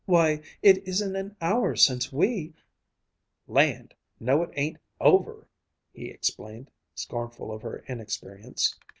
"Why, it isn't an hour since we " "Land! No, it ain't over!" he explained, scornful of her inexperience.